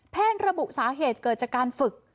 ระบุสาเหตุเกิดจากการฝึก